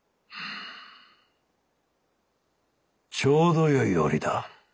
ちょうどよい折だ。